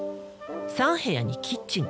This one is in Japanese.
３部屋にキッチン。